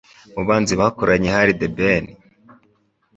Mu bahanzi bakoranye hari The Ben,